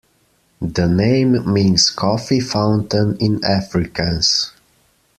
The name means "coffee fountain" in Afrikaans.